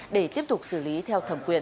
để tiếp tục xử lý theo thẩm quyền